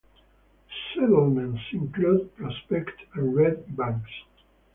Settlements included Prospect and Red Banks.